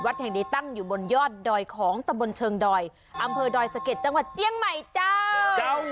แห่งนี้ตั้งอยู่บนยอดดอยของตะบนเชิงดอยอำเภอดอยสะเก็ดจังหวัดเจียงใหม่เจ้า